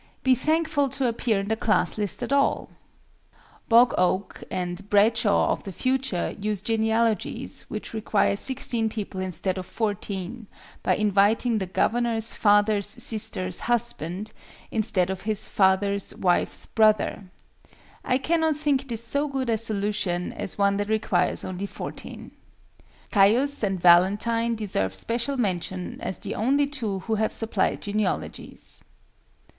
Be thankful to appear in the Class list at all! BOG OAK and BRADSHAW OF THE FUTURE use genealogies which require 16 people instead of 14, by inviting the Governor's father's sister's husband instead of his father's wife's brother. I cannot think this so good a solution as one that requires only 14. CAIUS and VALENTINE deserve special mention as the only two who have supplied genealogies.